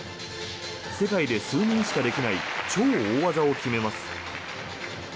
世界で数人しかできない超大技を決めます。